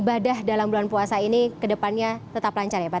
ibadah dalam bulan puasa ini kedepannya tetap lancar ya pak